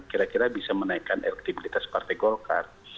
kira kira bisa menaikkan elektibilitas partai golkar